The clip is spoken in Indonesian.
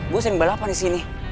gue sering balapan di sini